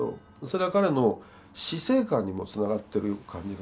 それは彼の死生観にもつながってる感じがします。